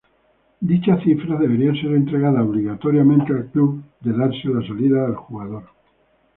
Dicha cifra debería ser entregada obligatoriamente al club de darse la salida del jugador.